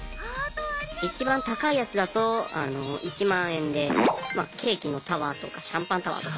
一番高いやつだと１万円でケーキのタワーとかシャンパンタワーとか。